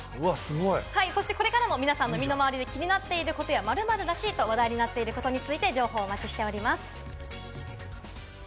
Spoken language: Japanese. これからも皆さんの身の回りで気になっていることや、「○○らしい」と話題になっていることについて情報をお待ちしています。